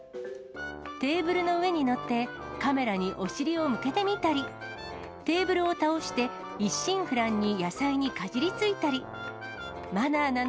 テーブルの上に乗って、カメラにお尻を向けてみたり、テーブルを倒して一心不乱に野菜にかじりついたり。